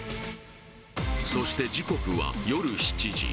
そして時刻は夜７時